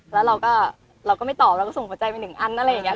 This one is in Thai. แล้วเราก็เราก็ไม่ตอบเราก็ส่งหัวใจไปหนึ่งอันอะไรอย่างนี้